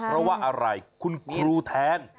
แล้วว่าอะไรคุณครูแทน